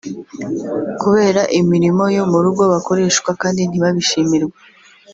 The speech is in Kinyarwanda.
kubera imirimo yo mu rugo bakoreshwa kandi ntibabishimirwe